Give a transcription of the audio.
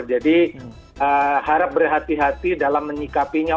jadi harap berhati hati dalam menyikapinya